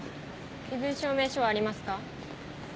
身分証明書ありますか？